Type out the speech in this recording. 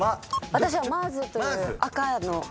私はマーズという赤の。